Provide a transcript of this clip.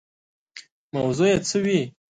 موضوع یې څه وي.